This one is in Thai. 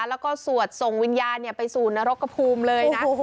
แล้วก็สวดส่งวิญญาณไปสู่นรกกระภูมิเลยนะ